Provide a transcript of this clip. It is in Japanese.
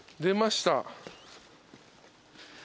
出ました。